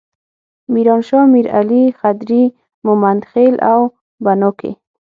میرانشاه، میرعلي، خدري، ممندخیل او بنو کې.